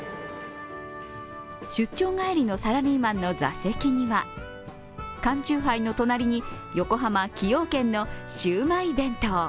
出張帰りのサラリーマンの座席には缶チューハイの隣に横浜・崎陽軒のシウマイ弁当。